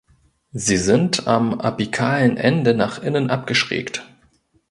Sie sind am apikalen Ende nach innen abgeschrägt.